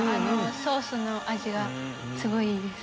ソースの味がすごいいいです。